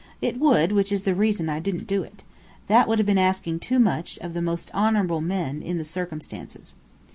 It would; which is the reason I didn't do it. That would have been asking too much, of the most honourable man, in the circumstances.